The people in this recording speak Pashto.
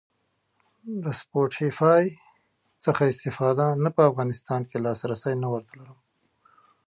د سپوټیفای څخه استفاده؟ نه په افغانستان کی لاسرسی نه ور ته لرم